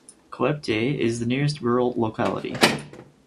Koepty is the nearest rural locality.